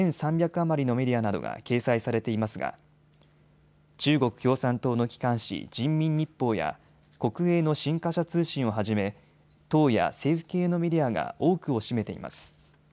余りのメディアなどが掲載されていますが中国共産党の機関紙、人民日報や国営の新華社通信をはじめ党や政府系のメディアが多くを占めています。